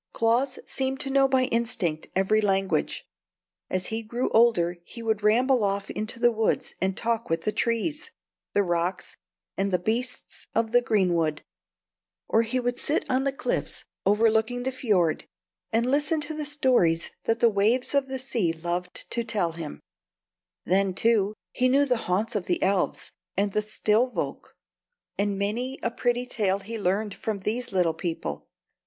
Claus seemed to know by instinct every language. As he grew older he would ramble off into the woods and talk with the trees, the rocks, and the beasts of the greenwood; or he would sit on the cliffs overlooking the fiord, and listen to the stories that the waves of the sea loved to tell him; then, too, he knew the haunts of the elves and the stille volk, and many a pretty tale he learned from these little people.